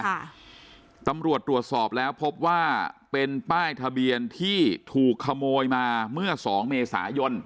ตำรวจตรวจสอบแล้วพบว่าเป็นป้ายทะเบียนที่ถูกขโมยมาเมื่อสองเมษายน